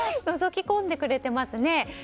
のぞき込んでくれてますね。